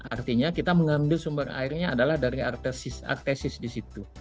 artinya kita mengambil sumber airnya adalah dari artesis artesis di situ